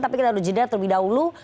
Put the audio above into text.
tapi kita harus jeda terlebih dahulu